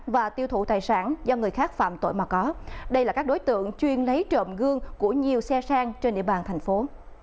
và tiêu thụ tài sản do người khác phạm tội mà có đây là các đối tượng chuyên lấy trộm gương của nhiều xe sang trên địa bàn thành phố